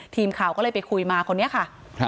ทีมข่าวก็เลยไปคุยมาคนนี้ค่ะ